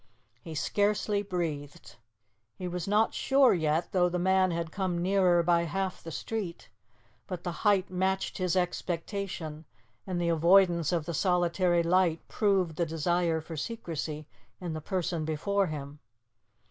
He scarcely breathed. He was not sure yet, though the man had come nearer by half the street; but the height matched his expectation, and the avoidance of the solitary light proved the desire for secrecy in the person before him.